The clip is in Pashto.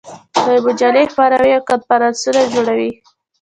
دوی مجلې خپروي او کنفرانسونه جوړوي.